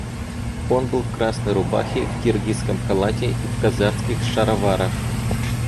Он был в красной рубахе, в киргизском халате и в казацких шароварах.